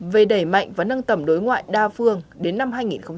về đẩy mạnh và nâng tầm đối ngoại đa phương đến năm hai nghìn ba mươi